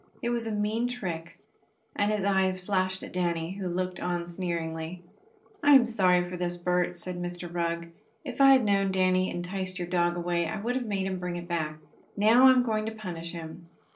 It was a mean trick!" and his eyes flashed at Danny, who looked on sneeringly. "I am sorry for this, Bert," said Mr. Rugg. "If I had known Danny enticed away your dog I would have made him bring it back. Now I am going to punish him.